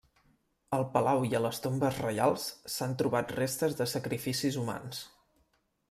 Al palau i a les tombes reials, s'han trobat restes de sacrificis humans.